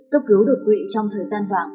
cấp cứu đột quỵ trong thời gian vạn